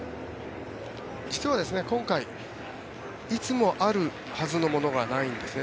実は今回いつもあるはずのものがないんですね。